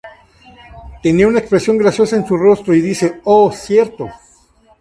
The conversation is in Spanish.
Tenía una expresión graciosa en su rostro y dice: "Oh, cierto.